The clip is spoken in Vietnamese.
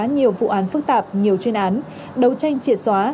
nhiều vụ án phức tạp nhiều chuyên án đấu tranh triệt xóa